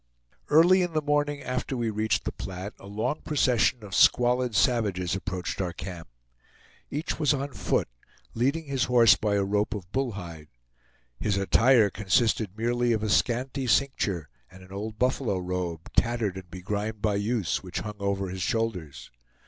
Early in the morning after we reached the Platte, a long procession of squalid savages approached our camp. Each was on foot, leading his horse by a rope of bull hide. His attire consisted merely of a scanty cincture and an old buffalo robe, tattered and begrimed by use, which hung over his shoulders.